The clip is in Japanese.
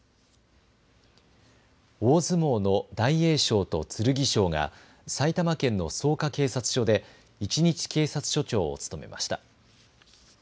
大相撲の大栄翔と剣翔が埼玉県の草加警察署で一日警察署長を務めました。